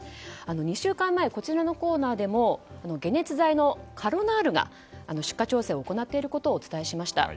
２週間前、こちらのコーナーでも解熱剤のカロナールが出荷調整を行っていることを伝えました。